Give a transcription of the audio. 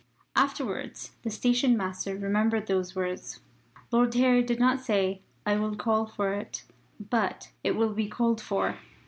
Afterwards the station master remembered those words. Lord Harry did not say "I will call for it," but "It will be called for."